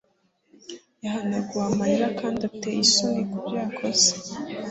yahanaguwe amarira kandi ateye isoni kubyo yakoze